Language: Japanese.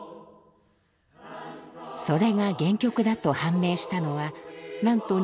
それが原曲だと判明したのはなんと２０１１年のこと。